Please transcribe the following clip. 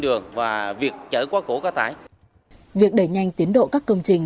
cũng là việc cần phải thực hiện theo quy định